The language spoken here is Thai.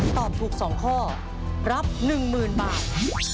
ตอบถูก๒ข้อรับ๑๐๐๐บาท